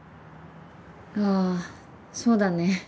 あぁそうだね。